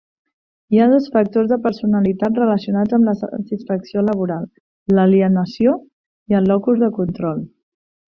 Hi ha dos factors de personalitat relacionats amb la satisfacció laboral: l'alienació i el locus de control.